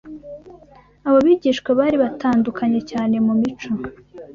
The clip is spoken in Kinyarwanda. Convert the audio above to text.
abo bigishwa bari batandukanye cyane mu mico